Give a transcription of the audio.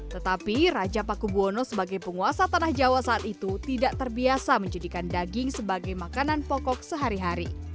tetapi raja paku buwono sebagai penguasa tanah jawa saat itu tidak terbiasa menjadikan daging sebagai makanan pokok sehari hari